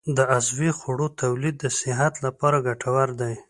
د عضوي خوړو تولید د صحت لپاره ګټور دی.